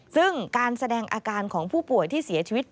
ซึ่งการแสดงอาการของผู้ป่วยที่เสียชีวิต